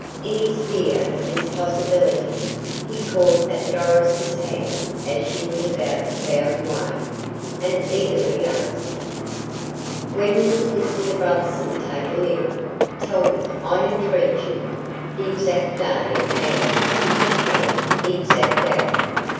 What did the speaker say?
In his fear of this possibility, he caught at Doris' hand as she was about to bound away, and eagerly asked: "When was Mr. Brotherson taken ill? Tell me, I entreat you; the exact day and, if you can, the exact hour.